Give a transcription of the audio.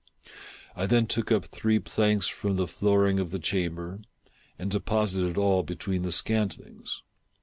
I then took up three planks from the flooring of the chamber, and deposited all between the scantlings.